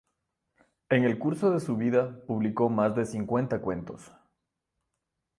En el curso de su vida, publicó más de cincuenta cuentos.